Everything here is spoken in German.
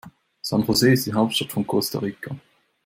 San José ist die Hauptstadt von Costa Rica.